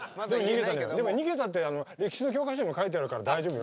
でも逃げたって歴史の教科書にも書いてあるから大丈夫よ。